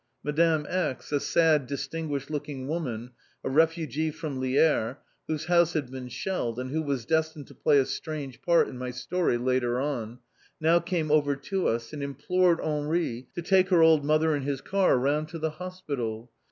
Madame X, a sad, distinguished looking woman, a refugee from Lierre, whose house had been shelled, and who was destined to play a strange part in my story later on, now came over to us, and implored Henri to take her old mother in his car round to the hospital.